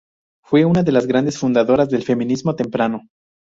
Fue una de las grandes fundadoras del feminismo temprano.